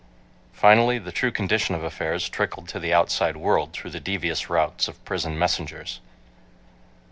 Finally the true condition of affairs trickled to the outside world through the devious routes of prison messengers.